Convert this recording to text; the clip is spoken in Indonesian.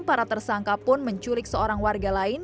para tersangka pun menculik seorang warga lain